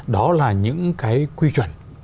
đó là những quy chuẩn